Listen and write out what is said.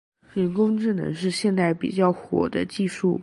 人工智能是现在比较火的技术。